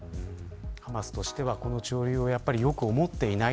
ハマスとしてはこのことをよく思っていない。